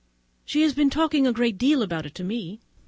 She has been talking a great deal about it to me.